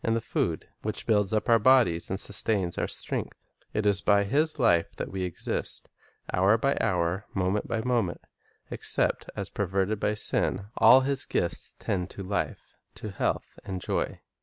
n hits Position the food which builds up our bodies and sustains our strength. It is by His life that we exist, hour by hour, moment by moment. Except as perverted by sin, all His gifts tend to life, to health and joy.